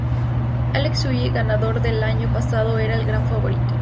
Alex Zülle, ganador del año pasado era el gran favorito.